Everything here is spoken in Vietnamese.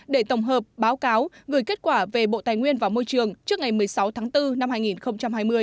để tổng hợp báo cáo gửi kết quả về bộ tài nguyên và môi trường trước ngày một mươi sáu tháng bốn năm hai nghìn hai mươi